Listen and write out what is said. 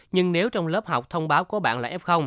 nhưng nếu trong lớp học thông báo có bạn là f